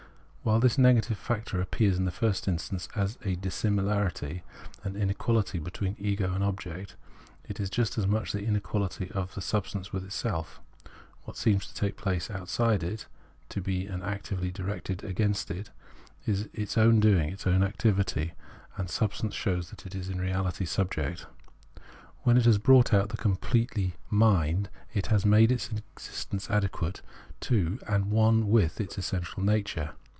While this negative factor appears in the first instance as a dissimilarity, as an inequality, between ego and object, it is just as much the inequality of the substance with itself. What seems to take place outside it, to be an activity directed Preface 35 against it, is its own doing, its own activity ; and substance shows that it is in reahty subject. When it has brought out this completely, mind has made its existence adequate to and one with its essential nature.